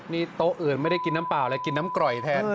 นี่โต๊ะอื่นไม่ได้กินน้ำเปล่าเลยกินน้ำกร่อยแทน